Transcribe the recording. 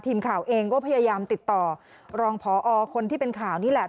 ทีมข่าวเองก็พยายามติดต่อรองพอคนที่เป็นข่าวนี่แหละ